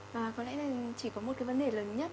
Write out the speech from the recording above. và có lẽ là chỉ có một cái vấn đề lớn nhất